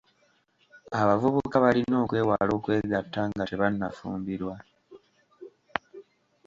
Abavubuka balina okwewala okwegatta nga tebannafumbirwa.